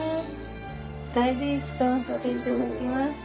大事に使わせていただきます。